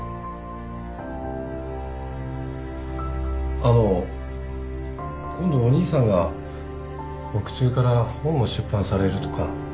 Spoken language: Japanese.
あの今度お兄さんが獄中から本を出版されるとか。